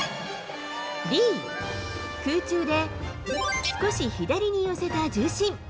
Ｂ、空中で少し左に寄せた重心。